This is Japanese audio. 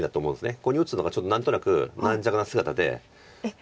ここに打つのがちょっと何となく軟弱な姿で。